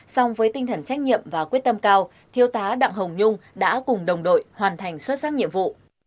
song với tinh thần trách nhiệm và quyết tâm cao thiêu tá đặng hồng nhung đã cùng đồng đội hoàn thành xuất sắc nhiệm vụ